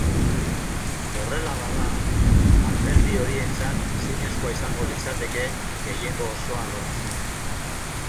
Horrela bada, alderdi horientzat ezinezkoa izango litzateke gehiengo osoa lortzea.